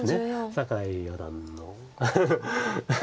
酒井四段の手は。